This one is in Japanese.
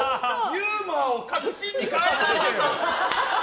ユーモアを確信に変えないでよ！